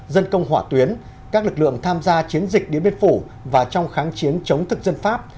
dân công hỏa tuyến các lực lượng tham gia chiến dịch điện biên phủ và trong kháng chiến chống thực dân pháp